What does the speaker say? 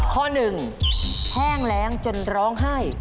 ข้อหนึ่งแห้งแรงจนร้องไห้